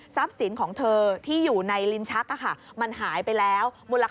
ทรัพย์สินของเธอที่อยู่ในลินชักมันหายไปแล้ว